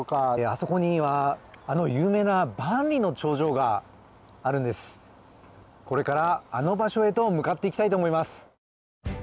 そこにはあの有名な万里の長城があるんですがこれから、あの場所へと向かっていきたいと思います。